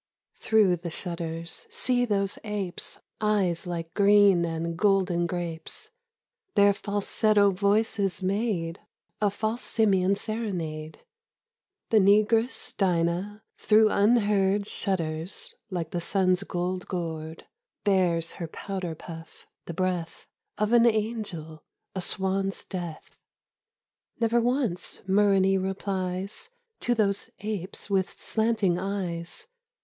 Through the shutters see those apes' Eyes like green and golden grapes ... Their falsetto voices made A false simian serenade. The negress Dinah through unheard Shutters like the sun's gold gourd Bears her powder puff — the breath Of an angel, a swan's death. 95 The Toilette of Myrrhine. ( Never once JMyrrhine replies To those apes with slanting eyes